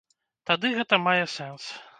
Тады гэта мае сэнс.